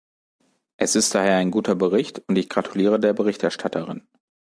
Es ist daher ein guter Bericht, und ich gratuliere der Berichterstatterin.